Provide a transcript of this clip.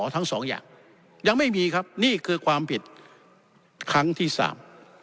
ทั้งสองอย่างยังไม่มีครับนี่คือความผิดครั้งที่สาม